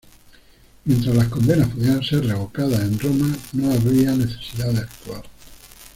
Mientras las condenas pudieran ser revocadas en Roma, no había necesidad de actuar.